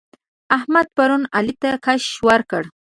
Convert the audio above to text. احمد پرون علي ته کش ورکړ.